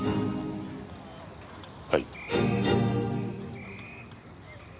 はい。